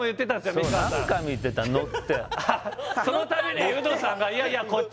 そのたびにうのさんがいやいやこっち